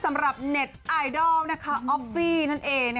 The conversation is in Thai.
สำหรับเน็ตไอดอลนะคะออฟฟี่นั่นเอง